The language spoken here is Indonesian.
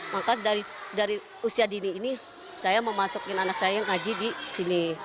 maka dari usia dini ini saya memasukin anak saya yang ngaji di sini